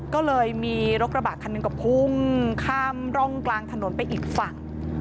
ก็เลยมีรถกระบะคันหนึ่งก็พุ่งข้ามร่องกลางถนนไปอีกฝั่ง